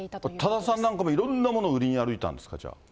多田さんなんかもいろんなものを売りに歩いたんですか。